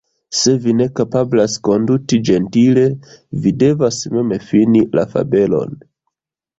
Se vi ne kapablas konduti ĝentile, vi devas mem fini la fabelon.